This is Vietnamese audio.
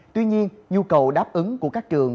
tuy nhiên nhu cầu đáp ứng của các trường